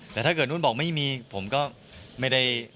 แต่ถ้าเกิดนุ่นบอกไม่มีผมก็ไม่ได้